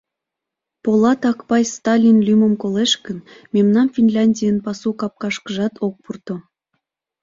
Полат Акпай Сталин лӱмым колеш гын, мемнам Финляндийын пасу капкашкыжат ок пурто.